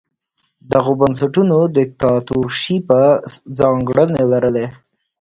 دغو بنسټونو دیکتاتورشیپه ځانګړنې لرلې.